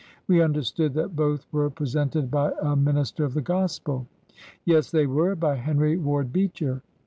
''We understood that both were presented by a min ister of the gospel." " Yes, they were— by Henry Ward Beecher."